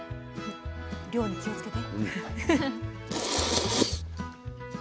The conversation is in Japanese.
量に気をつけて。